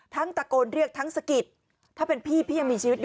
ตะโกนเรียกทั้งสะกิดถ้าเป็นพี่พี่ยังมีชีวิตอยู่